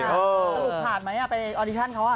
สรุปผ่านมั้ยอ่ะไปออดิชั่นเขาอ่ะ